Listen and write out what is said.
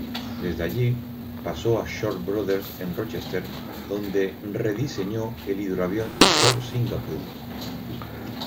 Desde allí, pasó a Short Brothers en Rochester, donde rediseñó el hidroavión Short Singapore.